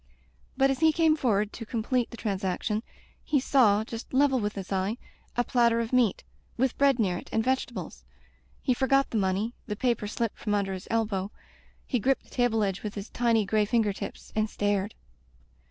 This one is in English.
But as he came forward to complete the transaction, he saw, just level with his eye, a platter of meat, with bread near it and vegetables. He forgot the money, the paper slipped from under his elbow, he gripped the table edge with his tiny gray finger tips, and stared.